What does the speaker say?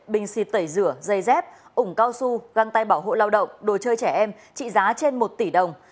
bình xịt tẩy rửa dây dép ủng cao su găng tay bảo hộ lao động đồ chơi trẻ em trị giá trên một tỷ đồng